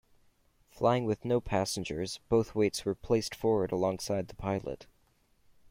Flying with no passengers, both weights were placed forward alongside the pilot.